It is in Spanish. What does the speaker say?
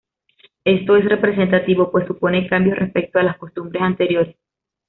Esto es representativo, pues supone cambios respecto a las costumbres anteriores.